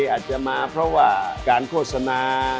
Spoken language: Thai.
อาจจะมาเพราะว่าการโฆษณา